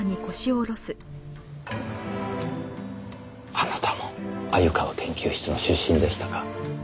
あなたも鮎川研究室の出身でしたか。